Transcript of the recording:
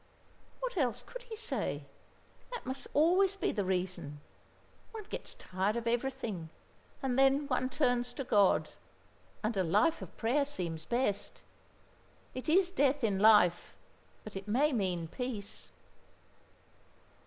"What else could he say? That must always be the reason. One gets tired of everything and then one turns to God and a life of prayer seems best. It is death in life; but it may mean peace."